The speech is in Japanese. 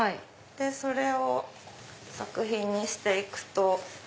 それを作品にして行くと。